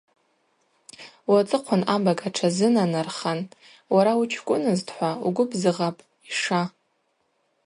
Уацӏыхъван абага тшазынанархан – Уара учкӏвынызтӏхӏва угвыбзыгъапӏ, йша.